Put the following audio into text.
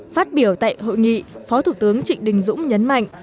phát biểu tại hội nghị phó thủ tướng trịnh đình dũng nhấn mạnh